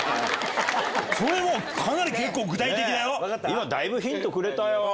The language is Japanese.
今だいぶヒントくれたよ。